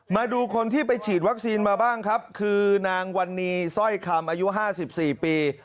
มาดูคนที่ไปฉีดวัคซีนมาบ้างครับคือนางวันนี้สร้อยคำอายุ๕๔ปี